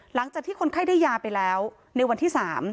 หลังจากที่คนไข้ได้ยาไปแล้วในวันที่๓